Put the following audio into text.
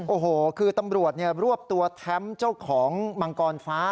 โอ้โหคือตำรวจรวบตัวแท้มเจ้าของมังกรฟ้า